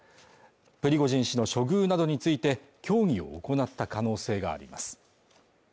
プリゴジン氏の処遇などについて協議を行った可能性があります。